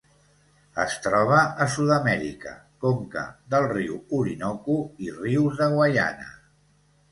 Es troba a Sud-amèrica: conca del riu Orinoco i rius de Guaiana.